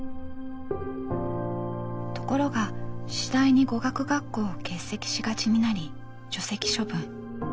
ところが次第に語学学校を欠席しがちになり除籍処分。